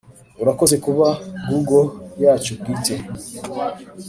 urakoze kuba google yacu bwite.